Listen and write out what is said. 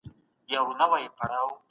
د توکو لګښت د اقتصاد يوه مهمه موضوع ده.